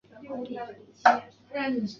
第二届至第三届采北市资优联招。